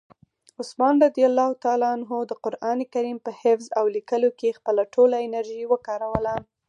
عثمان رض د قرآن کریم په حفظ او لیکلو کې خپله ټوله انرژي وکاروله.